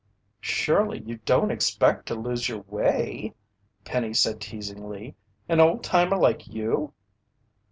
"Surely you don't expect to lose your way," Penny said teasingly. "An old timer like you!"